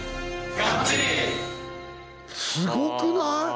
すごくない？